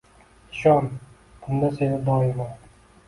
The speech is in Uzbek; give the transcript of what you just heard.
Ishon, bunda seni doimo